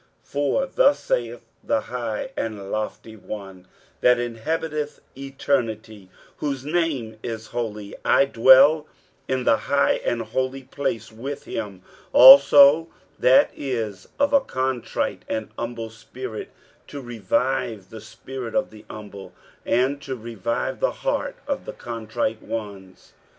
23:057:015 For thus saith the high and lofty One that inhabiteth eternity, whose name is Holy; I dwell in the high and holy place, with him also that is of a contrite and humble spirit, to revive the spirit of the humble, and to revive the heart of the contrite ones.